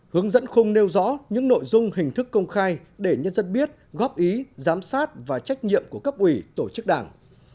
hướng dẫn khung nêu rõ những nội dung hình thức công khai để nhân dân biết góp ý giám sát và trách nhiệm của cấp ủy tổ chức đảng